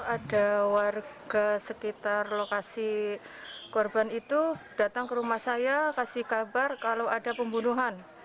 ada warga sekitar lokasi korban itu datang ke rumah saya kasih kabar kalau ada pembunuhan